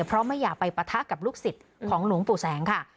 เพราะไม่อยากไปปะทะกับลูกศิษย์ของหลวงปู่แสงค่ะ